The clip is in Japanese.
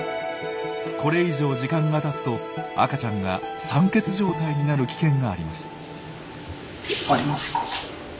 これ以上時間がたつと赤ちゃんが酸欠状態になる危険があります。